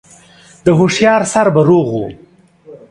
د هوښيار سر به روغ و